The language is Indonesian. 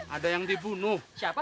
ada yang dibunuh